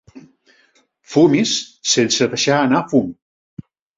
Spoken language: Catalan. Fumis sense deixar anar fum.